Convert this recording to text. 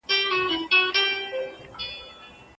ځيني تر ظلمونو وروسته پريشان او خجل سول.